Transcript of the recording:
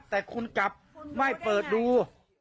แต่คุณกลับไม่เปิดดู